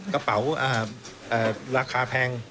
กระเป๋าราคาแพง